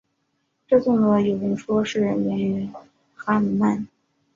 这动作有人说是源于哈奴曼。